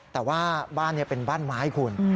แต่ว่าบ้านเป็นบ้านไม้คุณ